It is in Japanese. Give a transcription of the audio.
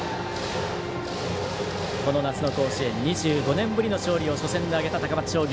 この夏の甲子園、２５年ぶりの勝利を挙げた高松商業。